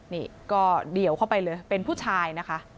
นี่ก็เดี่ยวเข้าไปเลยเป็นผู้ชายนะคะ